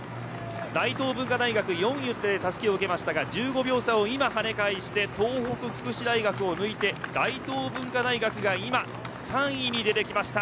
大東文化大学、４位でたすきを受けましたが１５秒をはね返して東北福祉大学を抜いて大東文化大学が今、３位に出てきました。